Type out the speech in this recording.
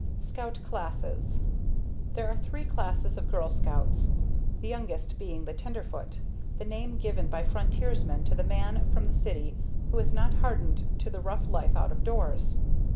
Scout Classes. There are three classes of Girl Scouts, the youngest being the "Tenderfoot," the name given by frontiersmen to the man from the city who is not hardened to the rough life out of doors.